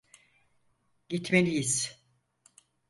Gitmeliyiz.